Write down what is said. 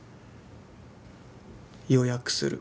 「予約する」。